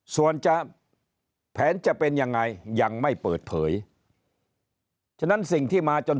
ส่วนจะแผนจะเป็นยังไงยังไม่เปิดเผยฉะนั้นสิ่งที่มาจน